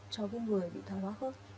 cho người bị thói hoa khớp